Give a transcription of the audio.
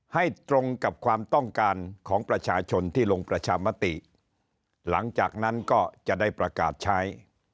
ให้ตรงกับความต้องการของประชาชนที่ลงประชามติหลังจากนั้นก็จะได้ประกาศใช้